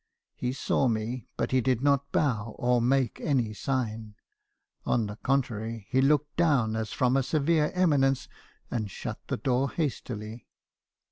He saw me ; but he did not bow, or make any sign. On the contrary, he looked down as from a severe eminence , and shut the door hastily.